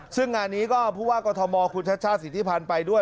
ซึ่งงานนี้ก็พูดว่ากธมคุณชชาติศิษภัณฑ์ไปด้วย